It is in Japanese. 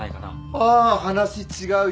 ああ話違うよ。